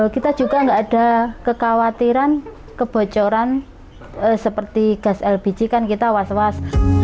kita juga nggak ada kekhawatiran kebocoran seperti gas lpg kan kita was was